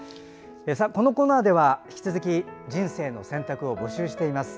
このコーナーでは引き続き「人生の選択」を募集しています。